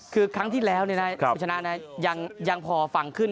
คือครั้งที่แล้วชนะน่ะยังพอฝั่งขึ้น